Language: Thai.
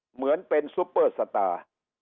เหมือนเป็นซุปเปอร์สตาร์